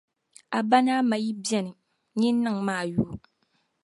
A ba ni a ma yi be ni, nyin niŋim a yubu.